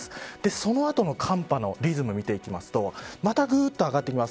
その後の寒波のリズム見ていくとまたぐっと上がってきます。